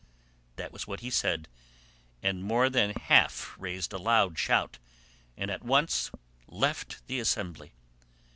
This was what he said, and more than half raised a loud shout, and at once left the assembly.